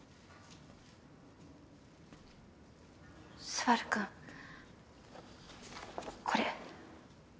昴くんこれ。